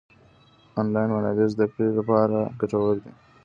انلاين منابع زده کړې لپاره ګټورې دي.